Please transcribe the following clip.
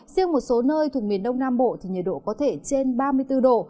riêng một số nơi thuộc miền đông nam bộ thì nhiệt độ có thể trên ba mươi bốn độ